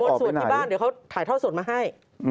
สนบอลศูนย์อยู่บ้านเดี๋ยวเขาถ่ายทอดสดมาให้